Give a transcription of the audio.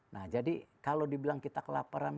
nah jadi kalau dibilang kita kelaparan